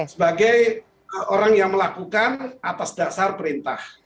sebagai orang yang melakukan atas dasar perintah